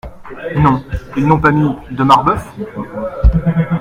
Non ; ils n’ont pas mis : "de Marbeuf" ?